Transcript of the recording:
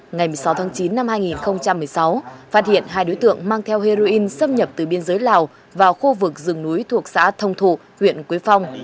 ngày một mươi sáu tháng chín năm hai nghìn một mươi sáu phát hiện hai đối tượng mang theo heroin xâm nhập từ biên giới lào vào khu vực rừng núi thuộc xã thông thụ huyện quế phong